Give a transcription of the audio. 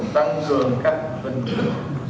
tăng cường các tình huống